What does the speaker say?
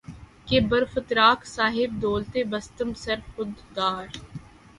کہ بر فتراک صاحب دولتے بستم سر خود را